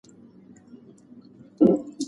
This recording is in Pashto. ماشوم د ونې په پاڼو کې د شبنم څاڅکي ولیدل.